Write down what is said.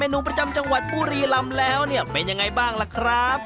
เป็นเมนูประจำจังหวัดปูรีรำแล้วเป็นยังไงบ้างล่ะครับ